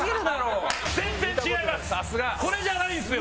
これじゃないんですよ！